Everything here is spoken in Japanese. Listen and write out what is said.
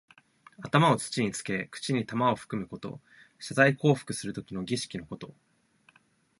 頭を土につけ、口に玉をふくむこと。謝罪降伏するときの儀式のこと。